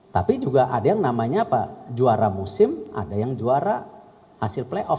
tapi juga ada yang namanya juara musim ada yang juara hasil playoff